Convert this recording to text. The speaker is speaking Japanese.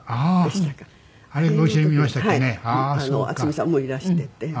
渥美さんもいらしてて。